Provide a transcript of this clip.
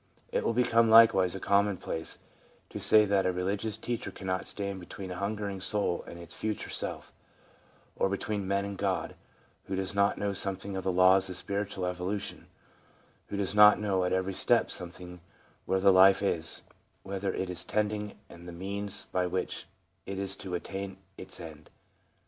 It will become likewise a commonplace to say that a religious teacher cannot stand between a hungering soul and its future self, or between men and God, who does not know something of the laws of spiritual evolu tion, who does not know at every step something of where the life is, whither it is tending, and the means by which it is to attain its end.